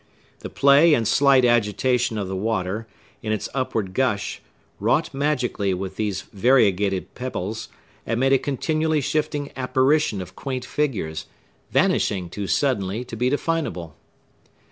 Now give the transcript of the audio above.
The play and slight agitation of the water, in its upward gush, wrought magically with these variegated pebbles, and made a continually shifting apparition of quaint figures, vanishing too suddenly to be definable.